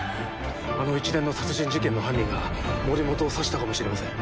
・あの一連の殺人事件の犯人が森本を刺したかもしれません。